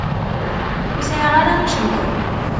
Ur sɛiɣ ara icenga.